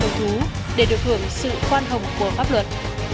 để được hưởng sự khoan hồng của pháp luật